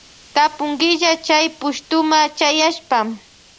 Tapunkilla Chay pushtuma chayaspa.